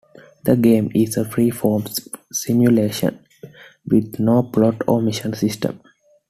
The game is a free-form simulation, with no plot or mission system.